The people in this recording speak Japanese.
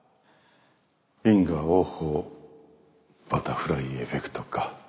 因果応報バタフライエフェクトか。